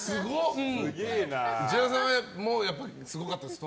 内山さんもすごかったですか？